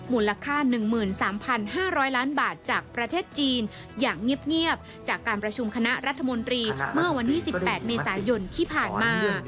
มูลค่า๑๓๕๐๐ล้านบาทจากประเทศจีนอย่างเงียบจากการประชุมคณะรัฐมนตรีเมื่อวันที่๑๘เมษายนที่ผ่านมา